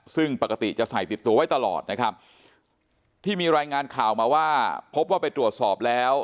ซึ่งปกติจะใส่ติดตัวไว้ตลอดนะครับที่มีรายงานข่าวมาว่าพบว่าไปตรวจสอบแล้ว